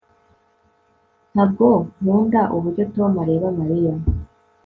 Ntabwo nkunda uburyo Tom areba Mariya